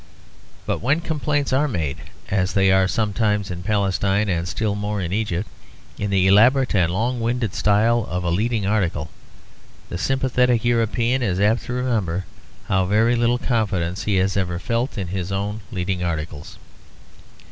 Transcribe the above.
But when complaints are made, as they are sometimes in Palestine and still more in Egypt, in the elaborate and long winded style of a leading article, the sympathetic European is apt to remember how very little confidence he has ever felt in his own leading articles.